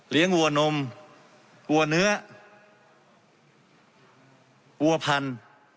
วัวนมวัวเนื้อวัวพันธุ์